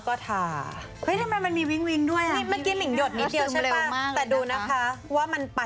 พระเภทแบบไม่ใช่แค่น่านะทาหมดค่ะ